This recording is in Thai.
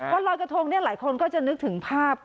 วันรอยกระทงเนี่ยหลายคนก็จะนึกถึงภาพ